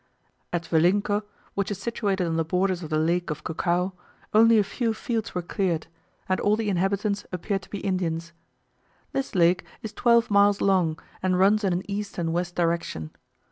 At Vilinco, which is situated on the borders of the lake of Cucao, only a few fields were cleared; and all the inhabitants appeared to be Indians. This lake is twelve miles long, and runs in an east and west direction.